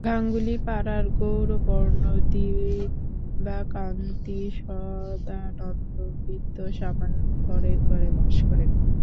গাঙ্গুলি পাড়ার গৌরবর্ণ দিব্যাকান্তি, সদানন্দ বৃদ্ধ সামান্য খড়ের ঘরে বাস করেন।